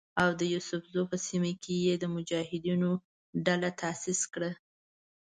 او د یوسفزیو په سیمه کې یې د مجاهدینو ډله تاسیس کړه.